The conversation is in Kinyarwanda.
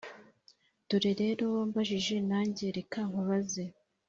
dore rero wambajije nange reka nkubaze